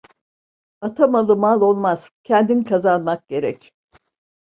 Ata malı mal olmaz, kendin kazanmak gerek.